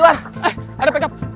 eh ada backup